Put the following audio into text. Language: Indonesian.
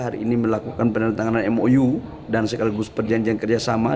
hari ini melakukan penandatanganan mou dan sekaligus perjanjian kerjasama